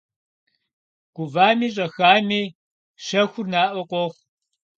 Гувами щӏэхами щэхур наӏуэ къохъу.